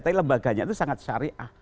tapi lembaganya itu sangat syariah